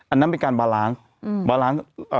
อันนั้นเป็นการบาร้าง